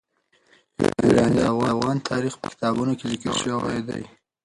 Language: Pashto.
یورانیم د افغان تاریخ په کتابونو کې ذکر شوی دي.